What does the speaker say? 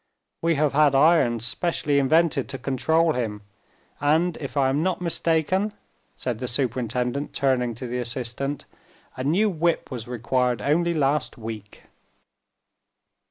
We have had irons specially invented to control him; and, if I am not mistaken," said the superintendent, turning to the assistant, "a new whip was required only last week."